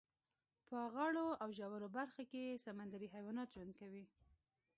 په غاړو او ژورو برخو کې یې سمندري حیوانات ژوند کوي.